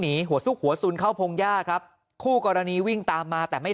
หนีหัวซุกหัวสุนเข้าพงหญ้าครับคู่กรณีวิ่งตามมาแต่ไม่